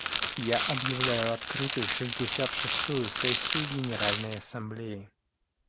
Я объявляю открытой шестьдесят шестую сессию Генеральной Ассамблеи.